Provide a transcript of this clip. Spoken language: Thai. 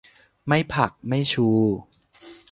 ไม่ผัก ไม่ชู